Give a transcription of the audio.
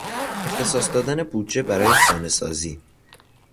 اختصاص دادن بودجه برای خانهسازی